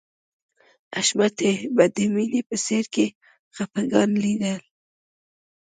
حشمتي به د مینې په څېره کې خفګان لیده